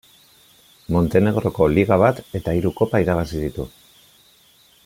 Montenegroko liga bat eta hiru kopa irabazi ditu.